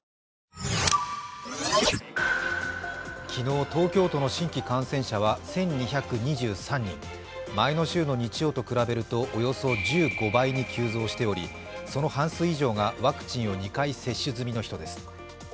昨日、東京の新規感染者は１２２３人前の週の日曜と比べるとおよそ１５倍と急増しており、その半数以上がワクチンを２回接種済みの人です。